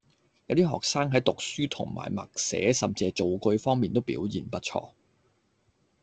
有啲學生喺讀書同埋默寫甚至造句方面都表現不錯